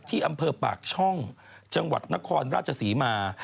ที่อำเภอปากช่องจังหวัดนครราชศรีมา